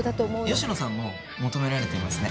吉野さんも求められていますね。